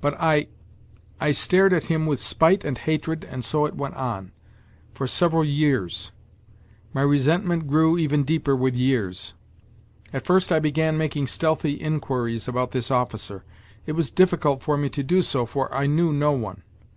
But I I stared at him with spite and hatred and so it went on ... for several years ! My resentment grew even deeper with years. At first I began making stealthy inquiries about this officer. It was difficult for me to do so, for I knew no one.